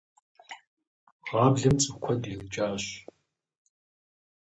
Гъаблэм цӏыху куэд илӏыкӏащ.